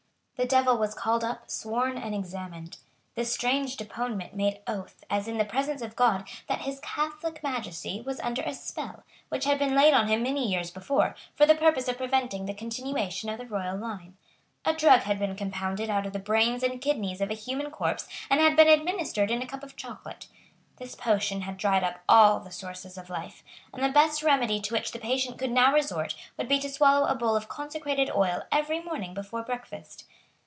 The Devil was called up, sworn and examined. This strange deponent made oath, as in the presence of God, that His Catholic Majesty was under a spell, which had been laid on him many years before, for the purpose of preventing the continuation of the royal line. A drug had been compounded out of the brains and kidneys of a human corpse, and had been administered in a cup of chocolate. This potion had dried up all the sources of life; and the best remedy to which the patient could now resort would be to swallow a bowl of consecrated oil every morning before breakfast.